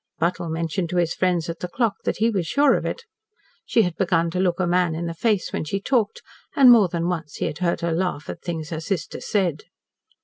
Buttle mentioned to his friends at The Clock that he was sure of it. She had begun to look a man in the face when she talked, and more than once he had heard her laugh at things her sister said.